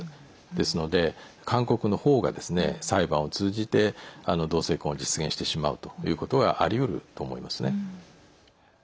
ですので韓国の方が裁判を通じて同性婚を実現してしまうということはありうると思いますね。